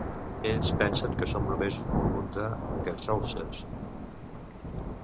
Ells pensen que som només un munt de gashousers.